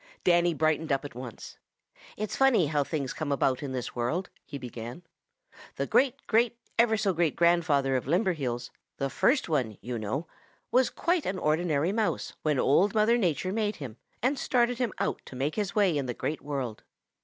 Danny brightened up at once. "It's funny how things come about in this world," he began. "The great great ever so great grandfather of Limberheels, the first one, you know, was quite an ordinary Mouse when Old Mother Nature made him and started him out to make his way in the Great World.